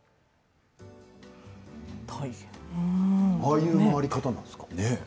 ああいう回り方なんですか。